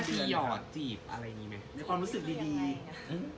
มีท่าทีหย่อนจีบอะไรนี่ไหมในความรู้สึกดี